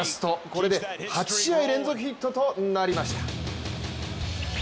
これで、８試合連続ヒットとなりました。